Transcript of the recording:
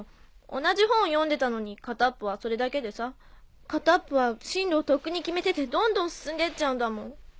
同じ本を読んでたのに片っぽはそれだけでさ片っぽは進路をとっくに決めててどんどん進んでっちゃうんだもん。